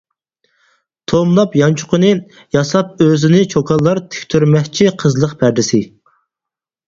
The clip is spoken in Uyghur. توملاپ يانچۇقىنى، ياساپ ئۆزىنى چوكانلار تىكتۈرمەكچى قىزلىق پەردىسى.